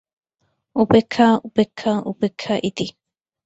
উপেক্ষা, উপেক্ষা, উপেক্ষা ইতি।